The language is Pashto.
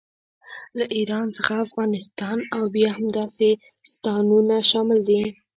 له ایران څخه افغانستان او بیا همداسې ستانونه شامل دي.